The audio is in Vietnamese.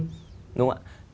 đúng không ạ